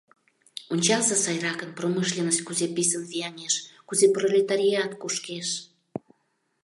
Ончалза сайракын, промышленность кузе писын вияҥеш, кузе пролетариат кушкеш».